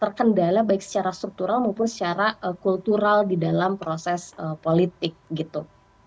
terkendala baik secara struktural maupun secara kultural di dalam proses politik gitu